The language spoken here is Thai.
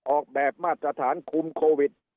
ออกแบบมาตรฐานคุมโควิด